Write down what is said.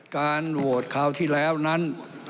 การโหวตคราวที่แล้วนั้น